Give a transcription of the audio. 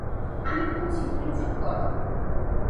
আমি খুলছি তুমি চুপ কর!